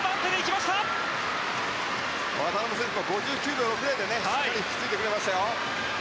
渡辺選手が５９秒６０でしっかり引き継いでくれました。